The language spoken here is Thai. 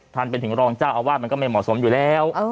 ไปถึงรองเจ้าอาวาสมันก็ไม่เหมาะสมอยู่แล้ว